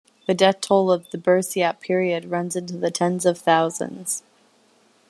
The death toll of the "Bersiap" period runs into the tens of thousands.